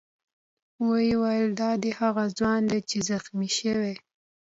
ویې ویل: دا دی هغه ځوان دی چې زخمي شوی.